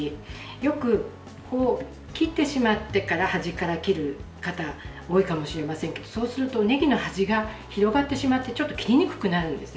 よく切ってしまってから端から切る方多いかもしれませんがそうするとねぎの端が広がってしまってちょっと切りにくくなるんです。